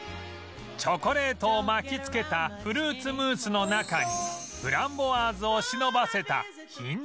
チョコレートを巻きつけたフルーツムースの中にフランボワーズを忍ばせた品のあるスイーツ